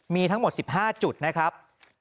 มีทั้งหมด๑๕จุดนะครับ